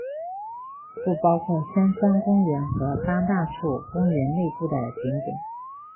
不包括香山公园和八大处公园内部的景点。